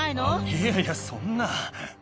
いやいや、そんな。